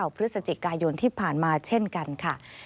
พฤศจิกายนที่ผ่านมาเช่นกันค่ะ